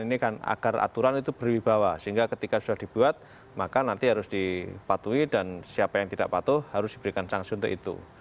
ini kan agar aturan itu berwibawa sehingga ketika sudah dibuat maka nanti harus dipatuhi dan siapa yang tidak patuh harus diberikan sanksi untuk itu